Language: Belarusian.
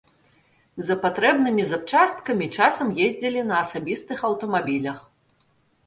За патрэбнымі запчасткамі часам ездзілі на асабістых аўтамабілях.